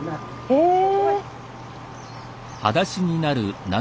へえ。